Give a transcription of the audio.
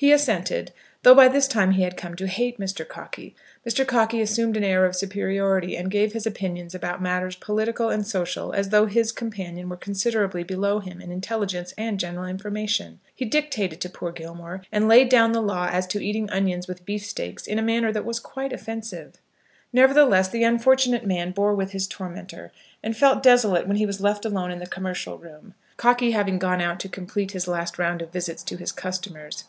He assented, though by this time he had come to hate Mr. Cockey. Mr. Cockey assumed an air of superiority, and gave his opinions about matters political and social as though his companion were considerably below him in intelligence and general information. He dictated to poor Gilmore, and laid down the law as to eating onions with beefsteaks in a manner that was quite offensive. Nevertheless, the unfortunate man bore with his tormentor, and felt desolate when he was left alone in the commercial room, Cockey having gone out to complete his last round of visits to his customers.